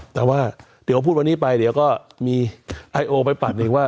แต่ว่าเดี๋ยวพูดวันนี้ไปเดี๋ยวก็มีไอโอไปปัดหนึ่งว่า